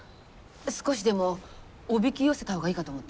少しでもおびき寄せたほうがいいかと思って。